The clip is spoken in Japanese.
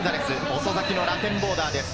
遅咲きのラテンボーダーです。